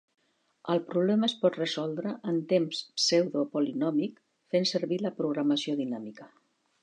El problema es pot resoldre en temps pseudo-polinòmic fent servir la programació dinàmica.